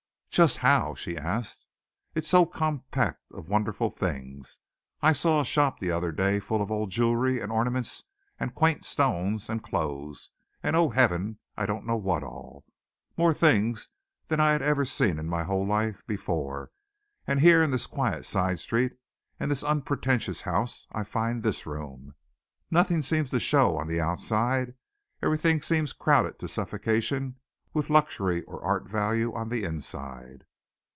"Just how?" she asked. "It's so compact of wonderful things. I saw a shop the other day full of old jewelry and ornaments and quaint stones and clothes, and O Heaven! I don't know what all more things than I had ever seen in my whole life before; and here in this quiet side street and this unpretentious house I find this room. Nothing seems to show on the outside; everything seems crowded to suffocation with luxury or art value on the inside."